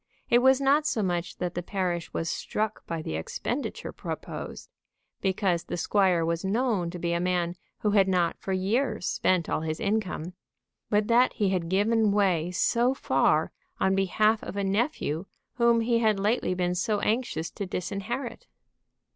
It was not so much that the parish was struck by the expenditure proposed, because the squire was known to be a man who had not for years spent all his income, but that he had given way so far on behalf of a nephew whom he had lately been so anxious to disinherit.